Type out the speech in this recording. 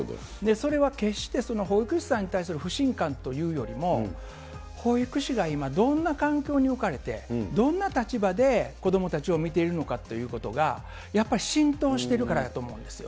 それは決して保育士さんに対する不信感というよりも、保育士が今、どんな環境に置かれて、どんな立場で子どもたちを見ているのかということが、やっぱり浸透しているからだと思うんですよ。